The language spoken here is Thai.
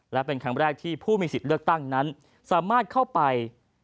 และเป็นครั้งแรกที่ผู้มีสิทธิ์เลือกตั้งนั้นสามารถเข้าไป